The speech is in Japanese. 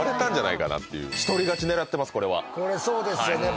そうですよね。